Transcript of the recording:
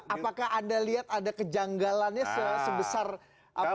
apakah anda lihat ada kejanggalannya sebesar apa